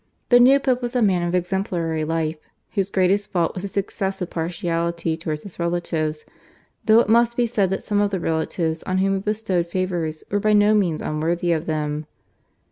The new Pope was a man of exemplary life whose greatest fault was his excessive partiality towards his relatives, though it must be said that some of the relatives on whom he bestowed favours were by no means unworthy of them.